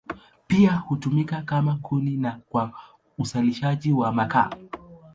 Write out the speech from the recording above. Pia hutumika kama kuni na kwa uzalishaji wa makaa.